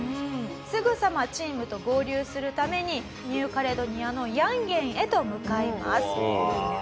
すぐさまチームと合流するためにニューカレドニアのヤンゲンへと向かいます。